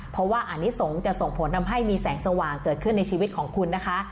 เพราะว่าอันนี้สงฆ์จะส่งผลทำให้มีแสงสว่างเกิดขึ้นในชีวิตของคุณนะคะ